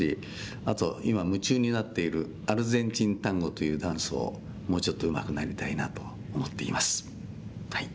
あと今夢中になっているアルゼンチンタンゴというダンスをもうちょっとうまくなりたいなと思っています。